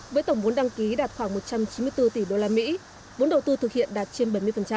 với tổng vốn đăng ký đạt khoảng một trăm chín mươi bốn tỷ usd vốn đầu tư thực hiện đạt trên bảy mươi